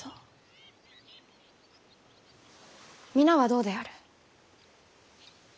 皆はどうである？